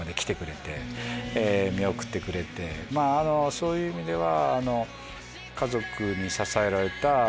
そういう意味では。